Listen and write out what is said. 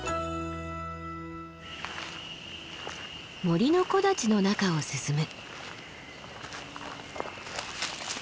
森の木立の中を進む。